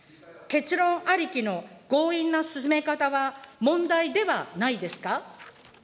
結論ありきの強引な進め方は問題ではないですか。